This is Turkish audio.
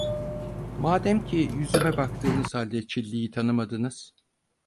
Mademki yüzüme baktığınız halde Çilli'yi tanımadınız…